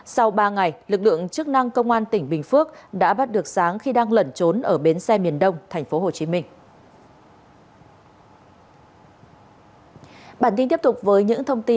sau ba ngày lực lượng chức năng công an tỉnh bình phước đã bắt được sáng khi đang lẩn trốn ở bến xe miền đông thành phố hồ chí minh